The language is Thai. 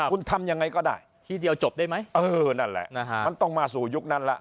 คุณทำยังไงก็ได้ทีเดียวจบได้ไหมเออนั่นแหละนะฮะมันต้องมาสู่ยุคนั้นแล้ว